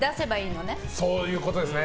そういうことですね。